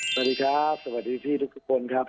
สวัสดีครับสวัสดีพี่ทุกคนครับ